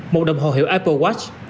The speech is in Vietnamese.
một đồng hồ hiệu apple watch